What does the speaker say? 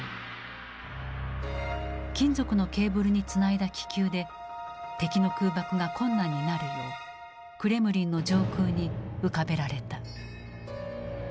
金属のケーブルにつないだ気球で敵の空爆が困難になるようクレムリンの上空に浮かべられた。